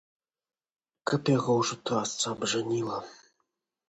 Каб яго ўжо трасца абжаніла!